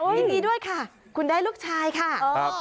ยินดีด้วยค่ะคุณได้ลูกชายค่ะ